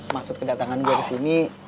maksud kedatangan gue kesini